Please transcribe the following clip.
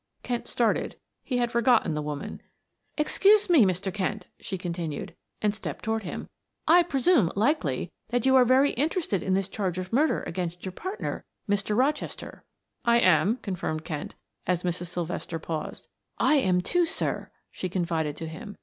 Kent started; he had forgotten the woman. "Excuse me, Mr. Kent," she continued, and stepped toward him. "I presume, likely, that you are very interested in this charge of murder against your partner, Mr. Rochester." "I am," affirmed Kent, as Mrs. Sylvester paused. "I am too, sir," she confided to him.